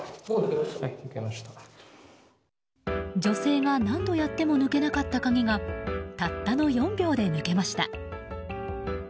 女性が何度やっても抜けなかった鍵がたったの４秒で抜けました。